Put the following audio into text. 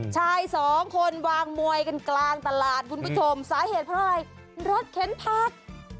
ชายสองคนวางมวยกันกลางตลาดคุณผู้ชมสาเหตุเพราะอะไรรถเข็นพัก